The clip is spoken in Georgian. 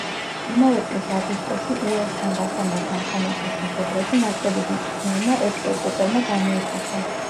იმავე წლის აგვისტოში უელსთან გასამართ ამხანაგურ შეხვედრაში ნაკრების მწვრთნელმა ექტორ კუპერმა გამოიძახა.